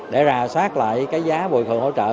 để rà soát lại cái giá bồi thường hỗ trợ